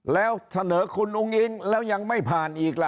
แล้วเสนอคุณอุ้งอิงแล้วยังไม่ผ่านอีกล่ะ